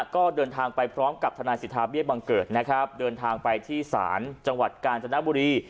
ก็เดินทางไปพร้อมกับทนายสิทธาเบี้ยบังเกิดนะครับเดินทางไปที่ศาลจังหวัดกาญจนบุรี